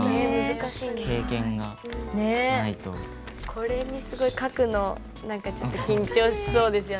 これに書くのちょっと緊張しそうですよね。